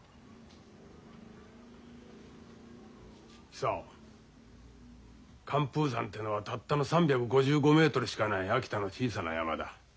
久男寒風山ってのはたったの３５５メートルしかない秋田の小さな山だ。